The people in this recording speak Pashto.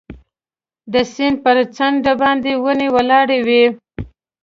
د سیند پر څنډه باندې ونې ولاړې وې.